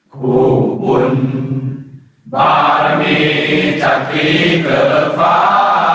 คู่บุญบารมีสักทีเกิดฟ้า